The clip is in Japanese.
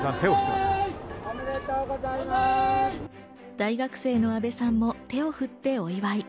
大学生の阿部さんも手を振ってお祝い。